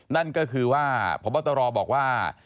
นั่นก็คือว่าพบตรบอกว่า